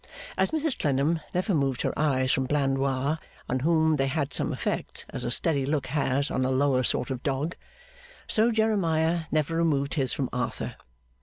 As Mrs Clennam never removed her eyes from Blandois (on whom they had some effect, as a steady look has on a lower sort of dog), so Jeremiah never removed his from Arthur.